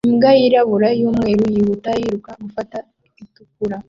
Imbwa yirabura n'umweru yihuta yiruka gufata itukura